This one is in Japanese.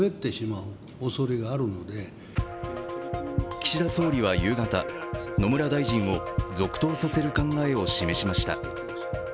岸田総理は夕方、野村大臣を続投させる考えを示しました。